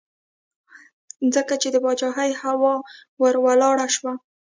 ځکه یې د پاچهۍ هوا ور ولاړه شوه.